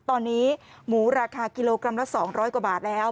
ตอนนี้หมูราคากิโลกรัมละ๒๐๐กว่าบาทแล้ว